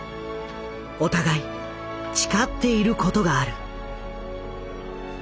お互い誓っていることがある。